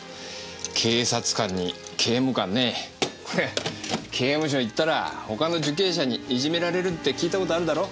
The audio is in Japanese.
警察官に刑務官ねこれ刑務所行ったら他の受刑者にいじめられるって聞いたことあるだろ？